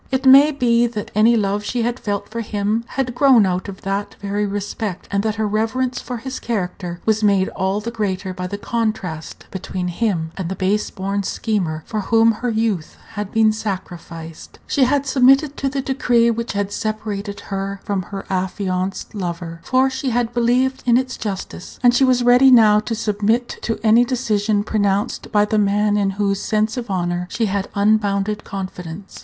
It may be that any love she had felt for him had grown out of that very respect, and that her reverence for his character was made all the greater by the contrast between him and the base born schemer for whom her youth had been sacrificed. She had submitted to the decree which had separated her from her affianced lover, for she had believed in its justice; and she was ready now to submit to any decision pronounced by the man in whose sense of honor she had unbounded confidence.